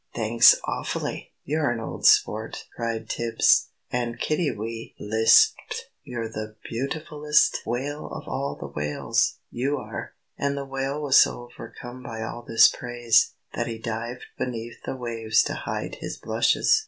"Thanks awfully. You're an old sport!" cried Tibbs. And Kiddiwee lisped, "You're the beautifullest whale of all the whales, you are!" And the Whale was so overcome by all this praise, that he dived beneath the waves to hide his blushes.